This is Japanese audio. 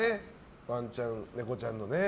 ワンちゃん、ネコちゃんのね。